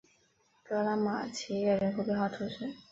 格拉马齐耶人口变化图示